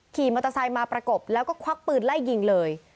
ขี่มอเตอร์ไซค์มาประกบแล้วก็ควักปืนไล่ยิงเลย